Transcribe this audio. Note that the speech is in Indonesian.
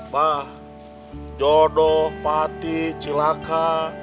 bah jodoh pati cilaka